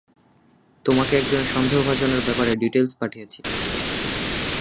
তোমাকে একজন সন্দেহভাজনের ব্যাপারে ডিটেইলস পাঠিয়েছি।